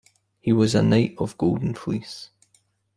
He was a Knight of Golden Fleece.